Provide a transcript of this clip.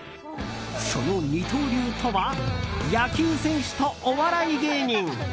その二刀流とは野球選手とお笑い芸人。